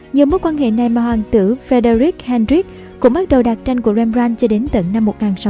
nhờ mối quan hệ này mà hoàng tử frederick hendrik cũng bắt đầu đặt tranh của rembrandt cho đến tận năm một nghìn sáu trăm bốn mươi sáu